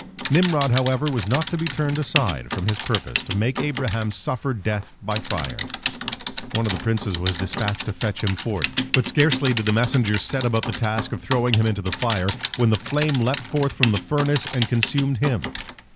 Nimrod, however, was not to be turned aside from his purpose, to make Abraham suffer death by fire. One of the princes was dispatched to fetch him forth. But scarcely did the messenger set about the task of throwing him into the fire, when the flame leapt forth from the furnace and consumed him.